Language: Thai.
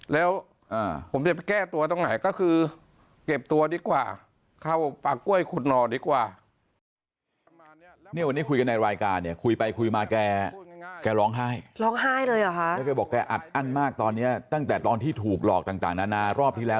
แล้วผมจะไปแก้ตัวตรงไหนก็คือ